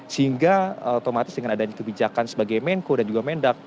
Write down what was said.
sehingga otomatis dengan adanya kebijakan sebagai menko dan juga mendak